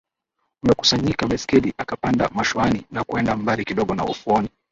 umekusanyika Basi akapanda mashuani na kuenda mbali kidogo na ufuoni